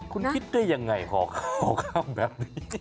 คุณคิดได้ยังไงขอเข้ากล้ามแบบนี้